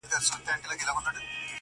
آیینې ولي مي خوبونه د لحد ویښوې-